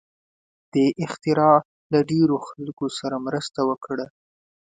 دې اختراع له ډېرو خلکو سره مرسته وکړه.